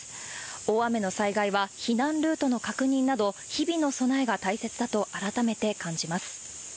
大雨の災害は避難ルートの確認など、日々の備えが大切だと改めて感じます。